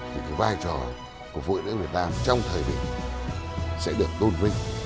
thì cái vai trò của vụ nữ việt nam trong thời điểm sẽ được tôn vinh